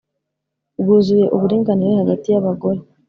bwuzuye uburinganire hagati y abagore